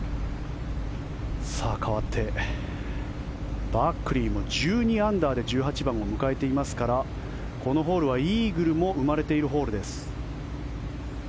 かわってバックリーも１２アンダーで１８番を迎えていますからこのホールはイーグルも生まれているホールです。